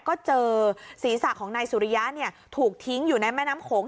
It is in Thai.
ก็เจอศีรษะของนายสุริยะถูกทิ้งอยู่ในแม่น้ำโขง